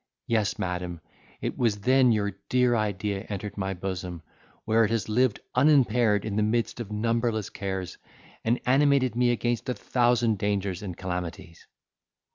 Yes, madam, it was then your dear idea entered my bosom, where it has lived unimpaired in the midst of numberless cares, and animated me against a thousand dangers and calamities!"